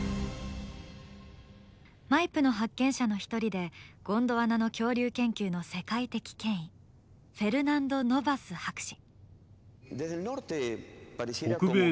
マイプの発見者の一人でゴンドワナの恐竜研究の世界的権威フェルナンド・ノバス博士。